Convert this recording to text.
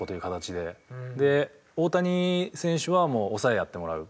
で大谷選手は抑えやってもらう。